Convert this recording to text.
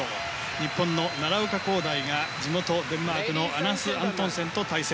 日本の奈良岡功大が地元デンマークのアナス・アントンセンと対戦。